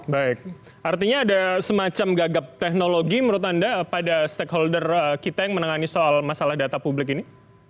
baik artinya ada semacam gagap teknologi menurut anda pada stakeholder kita yang menangani soal masalah data publik ini